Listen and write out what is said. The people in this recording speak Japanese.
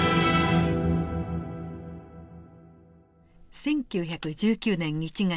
１９１９年１月。